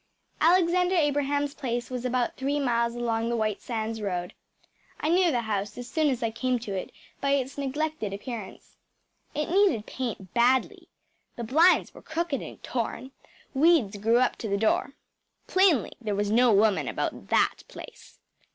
Alexander Abraham’s place was about three miles along the White Sands road. I knew the house as soon as I came to it by its neglected appearance. It needed paint badly; the blinds were crooked and torn; weeds grew up to the very door. Plainly, there was no woman about THAT place.